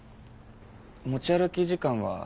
持ち歩き時間は２０。